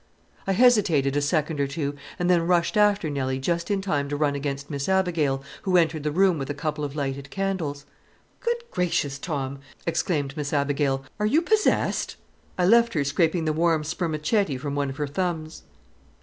I hesitated a second or two and then rushed after Nelly just in time to run against Miss Abigail, who entered the room with a couple of lighted candles. "Goodness gracious, Tom!" exclaimed Miss Abigail. "Are you possessed?" I left her scraping the warm spermaceti from one of her thumbs.